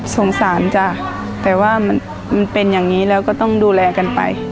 สงสารจ้ะแต่ว่ามันเป็นอย่างนี้แล้วก็ต้องดูแลกันไป